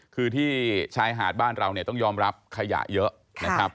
คือที่ชายหาดบ้านเราเนี่ยต้องยอมรับขยะเยอะนะครับ